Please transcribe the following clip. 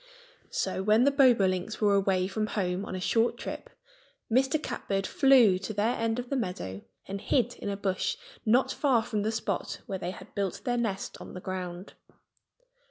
So when the Bobolinks were away from home on a short trip Mr. Catbird flew to their end of the meadow and hid in a bush not far from the spot where they had built their nest on the ground.